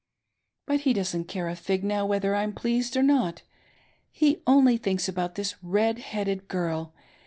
But he doesn't care a fig now whether I'm pleased or mot — he omiy thinks about this red headed girl.